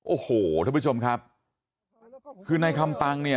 โอ้โหท่านผู้ชมครับคือในคำปังเนี่ย